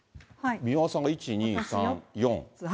三輪さんが１、２、３、４。